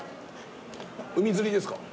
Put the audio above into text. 海釣りですか？